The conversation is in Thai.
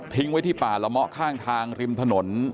ไว้ที่ป่าละเมาะข้างทางริมถนน